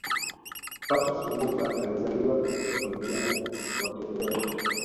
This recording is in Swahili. Patrice Lumumba alizaliwa katika familia ya Watetela